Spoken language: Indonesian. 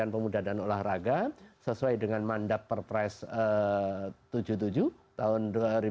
pemuda dan olahraga sesuai dengan mandat perpres tujuh puluh tujuh tahun dua ribu dua puluh